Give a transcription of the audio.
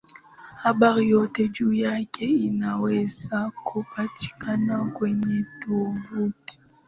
habari yote juu yake inaweza kupatikana kwenye tovuti